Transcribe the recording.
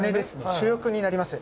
主翼になります。